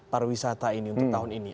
pariwisata ini untuk tahun ini